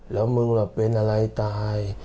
แล้วมึงล่ะเป็นอะไรตาย